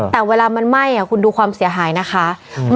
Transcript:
แต่เวลามันไหม้คุณดูความเสียหายนะคะ